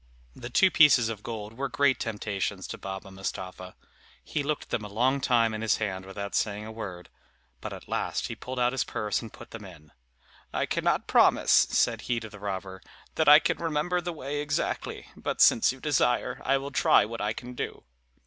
The two pieces of gold were great temptations to Baba Mustapha. He looked at them a long time in his hand without saying a word, but at last he pulled out his purse and put them in. "I cannot promise," said he to the robber, "that I can remember the way exactly; but since you desire, I will try what I can do."